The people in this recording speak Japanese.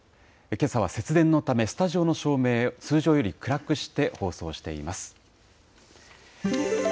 けさは節電のため、スタジオの照明、通常より暗くして放送しています。